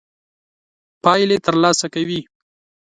پايلې تر لاسه کوي.